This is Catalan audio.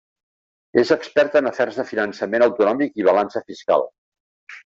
És experta en afers de finançament autonòmic i balança fiscal.